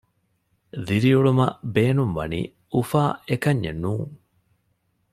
ދިރިއުޅުމަށް ބޭނުން ވަނީ އުފާ އެކަންޏެއް ނޫން